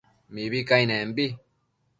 mibi cainenbi